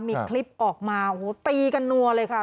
มีคลิปออกมาโอ้โหตีกันนัวเลยค่ะ